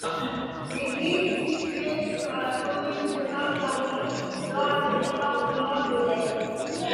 L'église est située sur la commune de Saint-Pierremont, dans le département de l'Aisne.